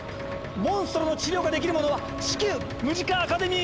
モンストロの治療ができる者は至急ムジカ・アカデミーへ！